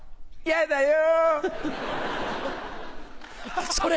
やだよ。